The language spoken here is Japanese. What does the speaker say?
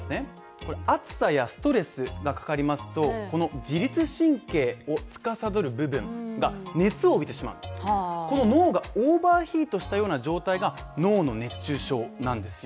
これ、暑さやストレスがかかりますと、この自律神経をつかさどる部分が熱を帯びてしまうこの脳がオーバーヒートしたような状態が脳の熱中症なんですよ。